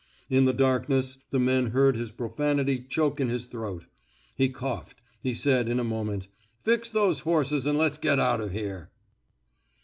In the darkness, the men heard his profanity choke in his throat. He coughed. He said, in a moment: '* Fix those horses an' let's get out o' here."